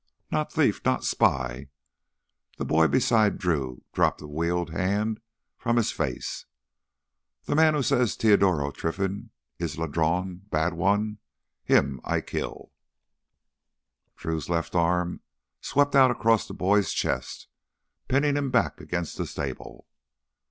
"Not thief, not spy!" The boy beside Drew dropped a wealed hand from his face. "The man who says Teodoro Trinfan is ladrón—bad one—him I kill!" Drew's left arm swept out across the boy's chest, pinning him back against the stable.